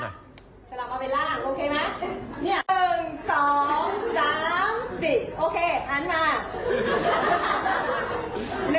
สำหรับเอาเป็นล่างโอเคมั้ย